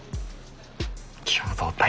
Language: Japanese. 共同体？